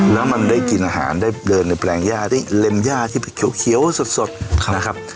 แล้วมันได้กินอาหารได้เดินในแปลงย่าได้เล็มย่าที่เขียวสดนะครับ